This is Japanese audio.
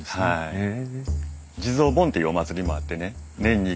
へえ。